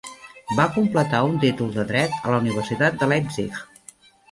Va completar un títol de dret a la Universitat de Leipzig.